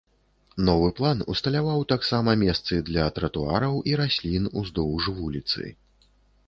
Новы план усталяваў таксама месцы для тратуараў і раслін уздоўж вуліцы.